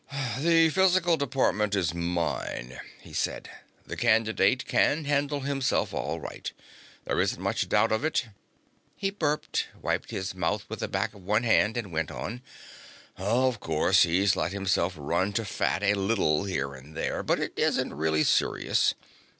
"The physical department is mine," he said. "The candidate can handle himself, all right. There isn't much doubt of it." He burped, wiped his mouth with the back of one hand, and went on: "Of course, he's let himself run to fat a little here and there, but it isn't really serious.